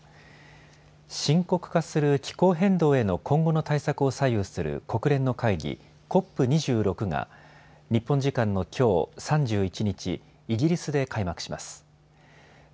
深刻化する気候変動への今後の対策を左右する国連の会議、ＣＯＰ２６が日本時間のきょう３１日、イギリスで開幕します。